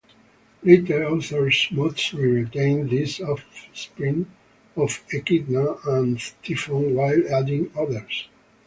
Later authors mostly retain these offspring of Echidna and Typhon while adding others.